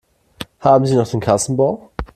Haben Sie noch den Kassenbon?